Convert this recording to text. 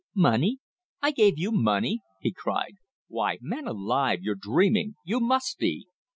"Money! I gave you money?" he cried. "Why, man alive, you're dreaming! _You must be!